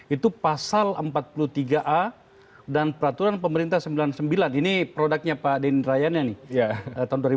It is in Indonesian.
itu pasal empat puluh tiga a dan peraturan pemerintah sembilan puluh sembilan ini produknya pak denrayana nih tahun dua ribu dua